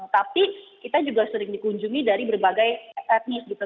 tapi kita juga sering dikunjungi dari berbagai etnis gitu